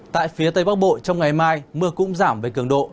tại phía tây bắc bộ trong ngày mai mưa cũng giảm về cường độ